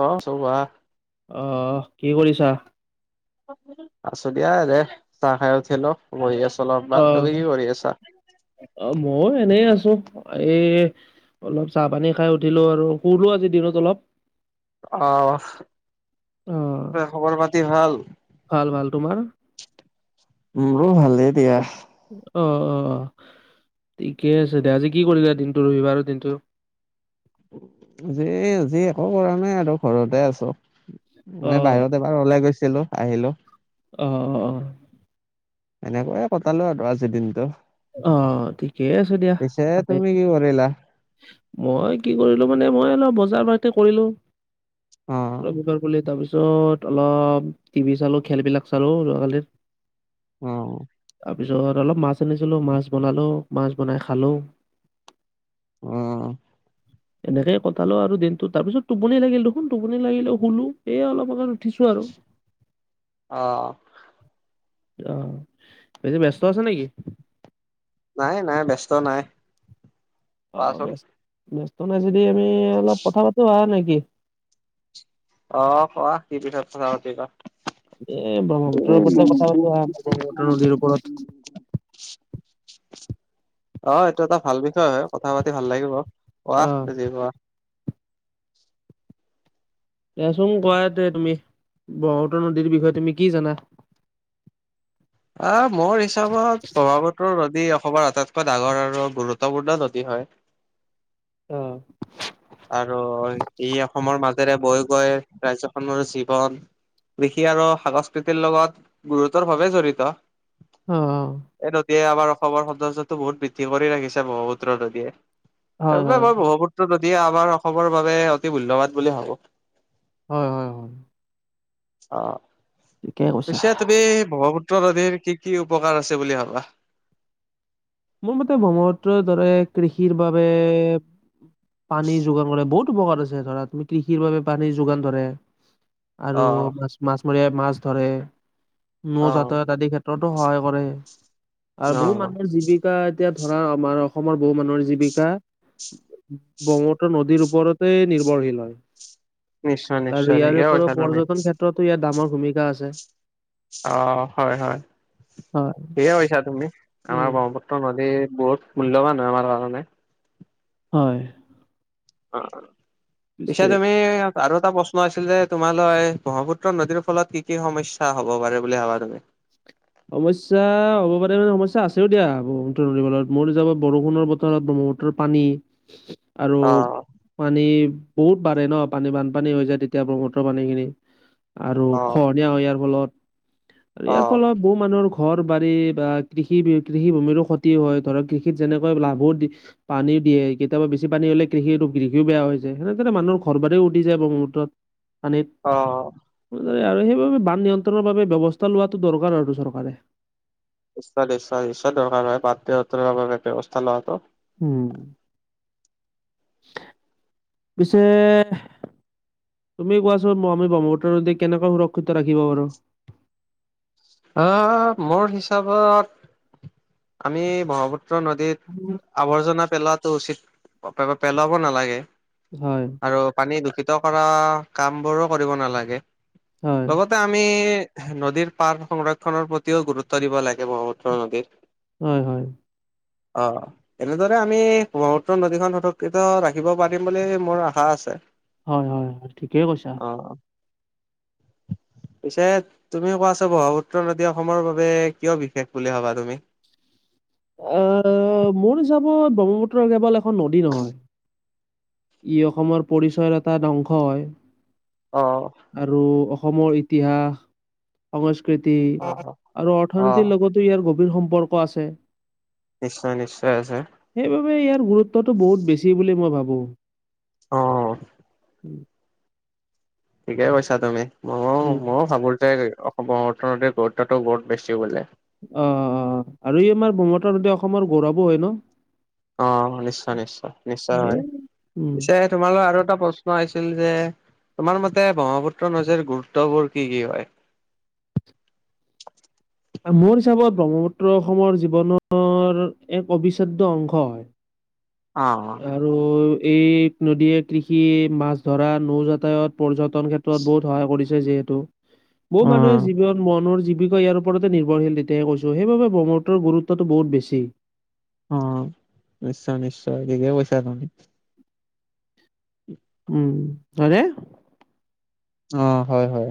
অ চবোৱা অ কি কৰিছা? আছো দিয়া দে চাহ খাই উঠিলো বহি আছোঁ অলপমান। তুমি কি কৰি আছা? অ মইয়ো এনে আছো এ অলপ চাহ পানী খাই উঠিলো আৰু শুলো আজিৰ দিনত অলপ। অহ, অ ত খবৰ পাতি ভাল? ভাল ভাল। তোমাৰ? মোৰো ভালেই দিয়া। অ অ অ ঠিকে আছে দিয়া আজি কি কৰিবা দিনটো ৰবিবাৰৰ দিনটো। যি যি একো কৰা নাই আৰু ঘৰতে আছো অ মই বাহিৰতে বাৰ ওলাই গৈছিলো, আহিলো। অ অ অ। এনেকৈয়ে কটালো আৰু আজি দিনটো অহ ঠিকেই আছো দিয়া পিছে তাতে। তুমি কি কৰিলা? মই কি কৰিলো মানে মই অলপ বজাৰ বাৰতে কৰিলো। অ [unintelligible] তাৰ পিছত অলপ টিভি চালো খেলবিলাক চালো যোৱা কালিৰ অ। তাৰপিছত অলপ মাছ আনিছিলো মাছ বনালো মাছ বনাই খালোঁ। অ। এনেকে কটালো আৰু দিনটো তাৰপিছত টোপনি লাগিল দেখোন টোপনি লাগিলে শুলো এই অলপ আগত উঠিছো আৰু। অ। অ বেছি ব্যস্ত আছে নেকি? নাই নাই ব্যস্ত নাই। অ কোৱাচোন? ব্যস্ত ব্যস্ত নাই যদি আমি অলপ কথা পাতো হয় নেকি। অ কোৱা কি [unintelligible] পাতিবা। এ ব্ৰহ্মপুত্ৰৰ [unintelligible] ওপৰতে কথা পাতো আহা ব্ৰহ্মপুত্ৰ নদীৰ ওপৰত অ এইটো এটা ভাল বিষয় হয় কথা পাতি ভাল লাগিব। অ কোৱা যি কোৱা। এচোঙ কোৱাতে তুমি ব্ৰহ্মপুত্ৰ নদীৰ বিষয়ে তুমি কি জানা? আহ মোৰ হিচাপত ব্ৰহ্মপুত্ৰ নদী অসমৰ আটাইতকৈ ডাঙৰ আৰু গুৰুত্বপূৰ্ণ নদী হয়। অ আৰু ই অসমৰ মাজেৰে বৈ গৈ ৰাজ্যখনৰো জীৱন কৃষি আৰু সংস্কৃতিৰ লগত গুৰুতৰ ভাৱে জড়িত। অ এই নদীয়ে আমাৰ অসমৰ সৌন্দৰ্যতো বহুত বৃদ্ধি কৰি ৰাখিছে ব্ৰহ্মপুত্ৰৰ নদীয়ে। হয় এইব হয় মই ব্ৰহ্মপুত্ৰ নদীয়ে আমাৰ অসমৰ বাবে অতি মূল্যবান বুলি ভাবোঁ। হয় হয় হয়। অ ঠিকে কৈছা পিছে তুমি ব্ৰহ্মপু পুত্ৰ নদীৰ কি কি উপকাৰ আছে বুলি ভাবা? মোৰ মতে ব্ৰহ্মপুত্ৰ দৰে কৃষিৰ বাবে পানী যোগান কৰে বহুত উপকাৰ আছে ধৰা তুমি কৃষিৰ বাবে পানী যোগান ধৰে। অ আৰু মাছ মাছ মৰিয়াই মাছ ধৰে নৌ অ জাতত আদি ক্ষে ত্ৰতো সহায় কৰে আৰু অ বহু মানুহৰ জীৱিক কা এতিয়া ধৰা আমাৰ অসমৰ বহু মানুহৰ জীৱিকা ব্ৰহ্মপুত্ৰ নদীৰ ওপৰতে নিৰ্ভৰশীল হয়। নিশ্চয় আৰু নিশ্চয় ইয়াৰ ঠিকে কৈছা উপৰিও তুমি। পৰ্যটন ক্ষেত্ৰতো ইয়াৰ ডামৰ ভূমিকা আছে। অ হয় হয় হয় ঠিকে কৈছা তুমি আমাৰ উম ব্ৰহ্মপুত ত্ৰ নদী বহুত মূল্যবান হয় আমাৰ কাৰণে। হয় অ অ পিছে তুমি আৰু এটা প্ৰশ্ন আছিল যে তোমালৈ, ব্ৰহ্মপুত্ৰ নদীৰ ফলত কি কি সমস্যা হব পাৰে বুলি ভাবা তুমি? সমস্যা হব পাৰে মানে সমস্যা আছেও দিয়া ব্ৰহ্মপুত্ৰ নদীৰ ফলত মোৰ হিচাপত বৰষুণৰ বতৰত ব্ৰহ্মপু পুত্ৰৰ পানী [unintelligible] আৰু অ', পানী বহুত বাঢ়ে ন পানী বানপানী হৈ যায় তেতিয়া ব্ৰহ্মপুত্ৰৰ পানীখিনি আৰু অ', খহনীয়া হয় ইয়াৰ ফলত আৰু ইয়াৰ অ', ফলত বহু মানুহৰ ঘৰ বাৰী বা কৃষি কৃষি ভূমিৰো ক্ষতি হয় ধৰক কৃষিত যেনেকৈ লাভো দি পানীও দিয়ে কেতিয়াবা বেছি পানী হ'লে কৃষিটো কৃষিও বেয়া যায় সেনেদৰে মানুহৰ ঘৰ বাৰী উঠি যায় ব্ৰহ্মপুত্ৰত। পানীত অ এনেদৰে আৰু সেইবাবে বান নিয়ন্ত্ৰণৰ বাবে ব্যয়ৱস্থা লোৱাটো দৰকাৰ আৰু চৰকাৰে। নিশ্চয় নিশ্চয় নিশ্চয় দৰকাৰ হয় বানপিৰিত বাবে ব্যৱস্থা লোৱাটো। উম পিছে তুমি কোৱাছোন আমি ব্ৰহ্মপুত্ৰৰ নদীক কেনেকৈ সুৰক্ষিত ৰাখিব পাৰোঁ। অ মোৰ হিচাপত আমি ব্ৰহ্মপুত্ ত্ৰ নদীত আৱৰ্জনা পেলোৱাটো উচিত পেলাব নালাগে। হয় আৰু পানী দূষিত কৰা কাম বোৰো কৰিব নালাগে হয় লগত। তে আমি নদীৰ পাৰ সংৰক্ষনৰৰ প্ৰতিও গুৰুত্ব দিব লাগে ব্ৰহ্মপুত্ৰ নদীৰ হয় হয় অ এনেদৰে আমি ব্ৰহ্মপুত্ৰ নদীখন সুৰক্ষিত ৰাখিব পাৰিম বুলি মোৰ আশা আছে। হয় হয় ঠিকেই কৈছা। অ পিছে তুমি কোৱা ছো ব্ৰহ্মপু ত্ৰৰ নদী অসমৰ বাবে কিয় বিশেষ বুলি ভাবা তুমি আঁহ মোৰ হিচাপত ব্ৰহ্মপুত্ৰৰ কেৱল এখন নদী নহয়। ই অসমৰ পৰিচয়ৰ এটা ধ্বংস হয়। অ। আৰু অসমৰ ইতিহাস, সংস্কৃতি অ', আৰু অ', অৰ্থনীতিৰ লগত টো ইয়াৰ গভীৰ সম্পৰ্ক আছে। নিশ্চয় নিশ্চয় আছে। সেইবাবে ইয়াৰ গুৰুত্বটো বহুত বেছি বুলি মই ভাবো। অ। [inaudible] ঠিকে কৈছা তুমি, মও উম। মই ভাবো দেই অসমৰ অৰ্থনৈতিক গুৰুত্বটো বহুত বেছি বুলি। অ, অ, অ আৰু ই আমাৰ [unintelligible] অসমৰ গৌৰৱো হয় ন? অ নিশ্চয়, নিশ্চয়, নিশ্চয় এ হয়। উম, পিছে তোমালৈ আৰু এটা প্ৰশ্ন আইছিল যে তোমাৰ মতে ব্ৰহ্মপুত্ৰ নজীৰ গুৰুত্ববোৰ কি কি হয়? মোৰ হিচাপত ব্ৰহ্মপুত্ৰ অসমৰ জীৱনৰ এক অবিচ্ছেদ্য অংশ হয়। অ, অ। ৰু এই নদীয়ে কৃষি, মাছ ধৰা, নৌ যাতায়ত, পৰ্যটন ক্ষেত্ৰত বহুত সহায় কৰিছে যিহেতু। বহু মানুহে অ', জীৱনত মনৰ জীৱিকা ইয়াৰ ওপৰতে নিৰ্ভৰশীল তেতিয়াই কৈছো। সেইবাবে ব্ৰহ্মপুত্ৰৰ গুৰুত্বটো বহুত বেছি। অ, অ। নিশ্চয়, নিশ্চয় ঠিকে কৈছা তুমি। উম তাৰে অ, হয় হয়।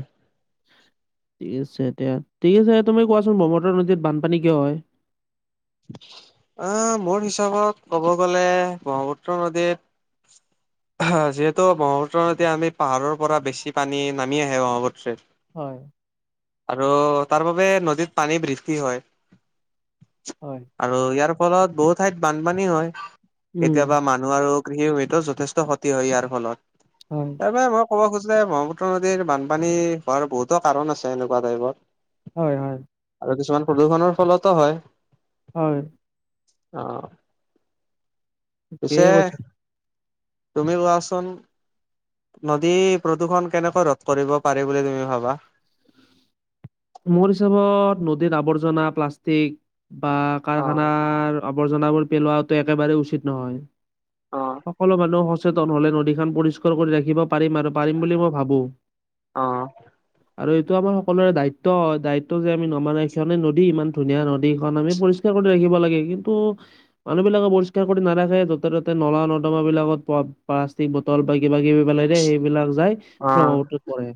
ঠিক আছে এতিয়া ঠিক আছে তুমি কোৱাচোন ব্ৰহ্মপুত্ৰ নদীত বানপানী কিয় হয়? আ মোৰ হিচাপত ক'ব গ'লে ব্ৰহ্মপুত্ৰ নদীৰ যিহেতু ব্ৰহ্মপুত্ৰত এতিয়া আমি পাহাৰৰ পৰা বেছি পানী নামি আহে ব্ৰক্ষ্মপুত্ৰে হয়। আৰু তাৰ বাবে নদীত পানী বৃদ্ধি হয়। হয়। আৰু ইয়াৰ ফলত বহু ঠাইত বানপানী হয়। উম কেতিয়াবা মানুহ আৰু কৃষি ভিতৰত যথেষ্ট ক্ষতি হয় ইয়াৰ ফলত। হয়। তাৰ বাবে মই ক'ব খোজো যে বহ্মপুত্ৰ নদীৰ বানপানী হোৱাৰ বহুতো কাৰণ আছে এনেকুৱা টাইপত। হয়, হয়। আৰু কিছুমান প্ৰদূষণৰ ফলতো হয়। হয়। অ। ঠিকে পিছে কৈছা। তুমি কোৱাচোন নদী প্ৰদূষণ কেনেকৈ ৰোধ কৰিব পাৰি বুলি তুমি ভাবা? মোৰ হিচাপত নদীৰ আৱৰ্জনা, প্লাষ্টিক বা অ', কাৰখানাৰ আৱৰ্জনাবোৰ পেলোৱাওতে একেবাৰে উচিত অ', নহয়। সকলো মানুহ স সচেতন হ'লে নদীখন পৰিষ্কাৰ কৰি ৰাখিব পাৰিম আৰু পাৰিম বুলি মই ভাবো। অ', আৰু এইটো আমাৰ সকলোৰে দায়িত ত দায়িত্ব যে আমি নমৰাই কাৰণে নদী ইমান ধুনীয়া নদী সেইখন আমি পৰিষ্কাৰ কৰি ৰাখিব লাগে, কিন্তু মানুহ বিলাকে পৰিষ্কাৰ কৰি নাৰাখে। য'তে ত'তে নলা নৰ্দমাবিলাকত প প্লাষ্টিক বটল ব কিবা-কিবি পেলাই দিয়ে, সেইবিলাক যাই অ ব্ৰহ্মপুত্ৰত পৰে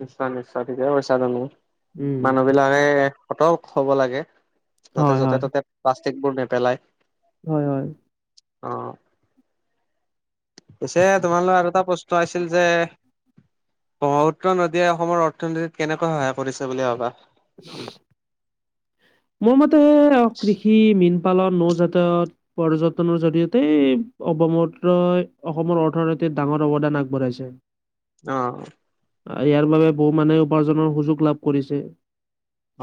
নিশ্চয়, নিশ্চয়। ঠিকে কৈছা তুমি। উম মানু্হবিল বিলাহে সতৰ্ক হ'ব লাগে যাতে হয় য'তে হয় ত'তে প্লাষ্টিকবোৰ নেপেলয়। হয়, হয়। অ। পিছে তোমালৈ আৰু এটা প্ৰশ্ন আছিল যে ব্ৰহ্মপুত্ৰ নদীয়ে অসমৰ অৰ্থনীতিত কেনেকৈ সহায় কৰিছে বুলি ভাবা [unintelligible] মোৰ মতে কৃষি, মীন পালন, নৌ যাতায়ত পৰ্যটনৰ জৰিয়তে অ ব্ৰহ্মপুত্ৰই অসমৰ অৰ্থনীতিত ডাঙৰ অৱদান আগবঢ়াইছে অ। ইয়াৰ বাবে বহু মানুহে উপাৰ্জনৰ সুযোগ লাভ কৰিছে,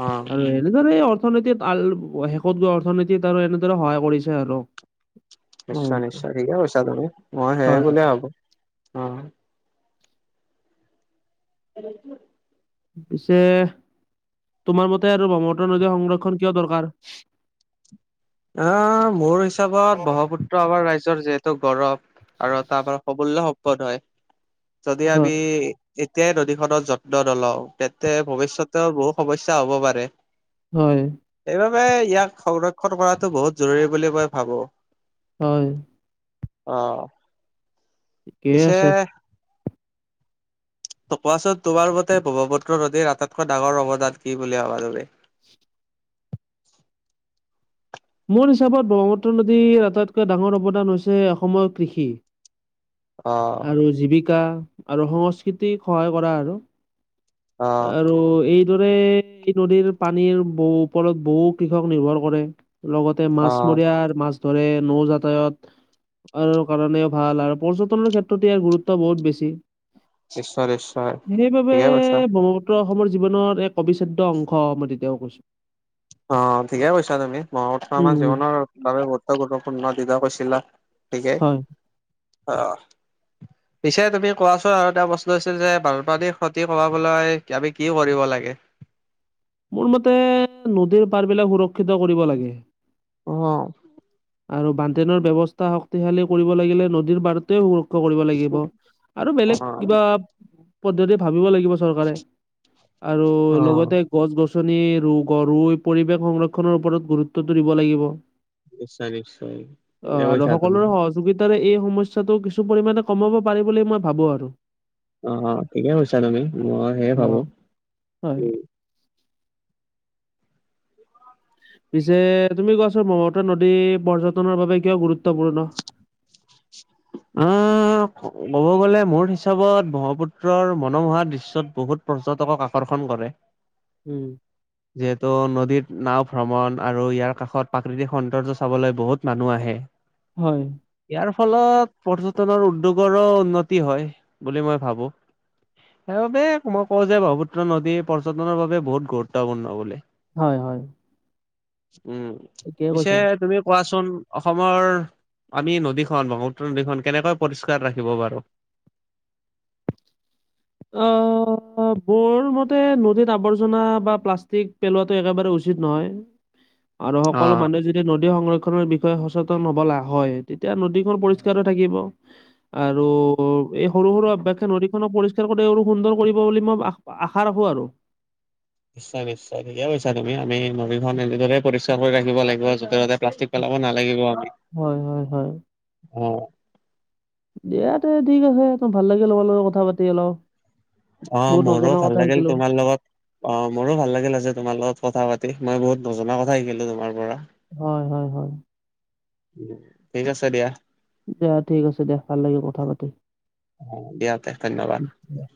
অ'। আৰু অৰ্থনীতিত কাল, শেষত গৈ অৰ্থনীতিত আৰু এনেদৰে সহায় কৰিছে আৰু নিশ্চয় ব্ৰহ্মপুত্ৰই। -নিশ্চয় ঠিকে কৈছা তুমি, মই সেয়ে হয়, বুলি ভাবো অ এ [unintelligible] পিছে তোমাৰ মতে আৰু ব্ৰক্ষ্মপুত্ৰ নদীৰ সংৰক্ষণ কিয় দৰকাৰ? আহ মোৰ হিচাপত ব্ৰহ্মপুত্ৰ আমাৰ ৰাইজৰ যিহেতু গৌৰৱ আৰু তাৰপৰা অমূল্য সম্পদ হয় যদি আমি হয়, এতিয়াই নদীখনৰ যত্ন নলওঁ তেতিয়া ভৱিষ্যতেও বহু সমস্যা হ'ব পাৰে হয়। সেইবাবে ইয়াক সংৰক্ষণ কৰাটো বহুত জৰুৰী বুলি মই ভাবো হয়। অহ, ঠিকেই পিছে আছে। কোৱাচোন তোমাৰ মতে ব্ৰহ্মপুত্ৰ নদীৰ আটাইতকৈ ডাঙৰ অৱদান কি বুলি ভাবা তুমি? মোৰ হিচাপত ব্ৰহ্মপুত্ৰ নদীৰ আটাইতকৈ ডাঙৰ অৱদান হৈছে অসমৰ কৃষি অ আৰু জীৱিকা আৰু সংস্কৃতিক সহায় কৰা আৰু অ আৰু এই এইদৰে নদীৰ পানীৰ বহু ওপৰত বহু কৃষক নিৰ্ভৰ কৰে লগতে অ মাছমৰীয়াৰ মাছ ধৰে নৌ যাতায়ত কাৰণেও ভাল আৰু পৰ্যটনৰ ক্ষেত্ৰত ইয়াৰ গুৰুত্ব বহুত বেছি নিশ্চয় নিশ্চয় সেইবাবে ঠিকে কৈছা ব্ৰহ্মপুত্ৰ অসমৰ জীৱনৰ এক অবিচ্ছেদ্য অংশ মই তেতিয়াও কৈছো অ ঠিকে কৈছা তুমি, ব্ৰহ্মপুত্ৰ আমাৰ উম। জীৱনৰ বাবে বহুত গুৰুত্বপূৰ্ণ তেতিয়া কৈছিলা ঠিকে, হয়। অ। পিছে তুমি কোৱাচোন আৰু এটা প্ৰশ্ন হৈছিল যে বানপানীৰ ক্ষতি কমাবলৈ আমি কি কৰিব লাগে? মোৰ মতে নদীৰ পাৰ বিলাক সুৰক্ষিত কৰিব লাগে অ আৰু বানটেনৰ ব্যৱস্থা শক্তিশালী কৰিব লাগিলে নদীৰ পাৰত তে সুৰক্ষা কৰিব লাগিব আৰু অ বেলেগ কিবা পদ্ধতি ভাবিব লাগিব চৰকাৰে আৰু অ লগতে গছ গছনি ৰু ৰুই পৰিৱেশ সংৰক্ষনৰ ওপৰত গুৰুত্বটো দিব লাগিব। নিশ্চয় নিশ্চয় অ ঠিকে আৰু কৈছা তুমি সকলোৰে সহযোগি তাৰে এই সমস্যটো কিছু পৰিমানে কমাব পাৰি বুলি মই ভাবো আৰু অ অ ঠিকে কৈছা তুমি মই সেয়ে ভাবো অ হয়। উম। পিছে তুমি কোৱাচোন ব্ৰহ্মপুত্ৰ নদী পৰ্যটনৰ বাবে কিয় গুৰুত্বপূৰ্ণ? উম। ক'ব গ'লে মোৰ হিচাপত ব্ৰহ্মপুত্ৰৰ মনোমোহা দৃশ্যত বহুত পৰ্যটকক আকৰ্ষণ কৰে [unintelligible] [inaudible] উম। [unintelligible] যিহেতু নদীৰ নাও ভ্ৰমণ আৰু ইয়াৰ কাষত প্ৰাকৃতিক সৌন্দৰ্য চাবলৈ বহুত মানুহ আহে হয়। ইয়াৰ ফলত পৰ্যটনৰ উদ্যোগৰো উন্নতি হয় বুলি মই ভাবো। সেইবাবে মই কওঁ যে ব্ৰহ্মপুত্ৰ নদী পৰ্যটনৰ বাবে বহুত গুৰুত্বপূৰ্ণ বুলি। হয় হয়। উম, ঠিকে পিছে কৈছা। তুমি কোৱাচোন, অসমৰ আমি নদীখন- ব্ৰহ্মপুত্ৰ নদীখন কেনেকৈ পৰিষ্কাৰ ৰাখিব পাৰোঁ? অ' অ'- মোৰ মতে নদীত আৱৰ্জনা বা প্লাষ্টিক পেলোৱাটো একেবাৰে উচিত নহয়। আৰু সকলো অ'। মানুহে যদি নদী সংৰক্ষণৰ বিষয়ে সচেতন হবলে- হয় তেতিয়া নদীখন পৰিষ্কাৰো থাকিব। আৰু এই সৰু-সৰু অভ্যাসে নদীখনো পৰি তেলোকো তেওৰো সুন্দৰ কৰিব বুলি মই আ- আশা ৰাখো আৰু। নিশ্চয় - নিশ্চয়, ঠিকে কৈছা তুমি। আমি নদীখন এনেদৰে পৰিষ্কাৰ কৰি ৰাখিব লাগিব। য'তে-ত'তে প্লাষ্টিক পেলাব নালাগিব আমি। হয় - হয় - হয়। অ'। দিয়াতে, ঠিক আছে। তো ভাল লাগিল লগৰ লগত কথা পাতি অলপ। অ' বহুত মোৰো নজনা ভাল কথা লাগিল শিকিলো। তোমাৰ লগত অ' মোৰো ভাল লাগিল আজি তোমাৰ লগত কথা পাতি। মই বহুত নজনা কথা শিকিলোঁ তোমাৰ পৰা। হয় - হয় - হয়। ঠিক আছে দিয়া। দিয়া, ঠিক আছে দিয়া। ভাল লাগিল কথা পাতি। উম